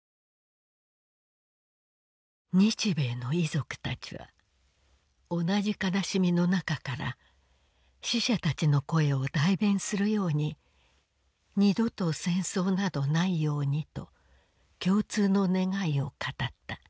「日米の遺族たちは同じ悲しみのなかから死者たちの声を代弁するように『二度と戦争などないように』と共通の願いを語った。